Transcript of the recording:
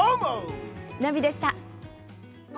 ナビでした。